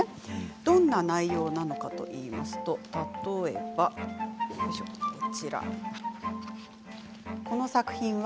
どんな内容なのかといいますと例えばこちら、この作品は